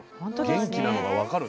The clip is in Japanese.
元気なのが分かるもん。